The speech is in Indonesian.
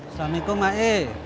assalamu'alaikum mbak e